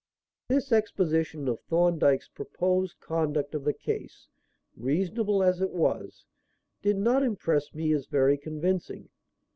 This exposition of Thorndyke's proposed conduct of the case, reasonable as it was, did not impress me as very convincing.